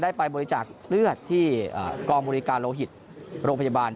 ได้ไปบริจาคเลือดที่อ่ากองบูรีกาโรหิตโรงพยาบาน